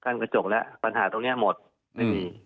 กระจกแล้วปัญหาตรงนี้หมดไม่มี